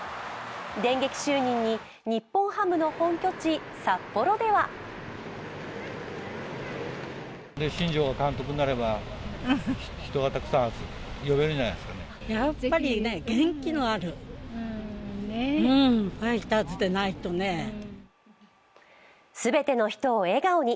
電撃就任に日本ハムの本拠地・札幌では全ての人を笑顔に。